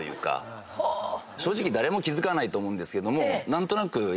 正直誰も気付かないと思うんですけども。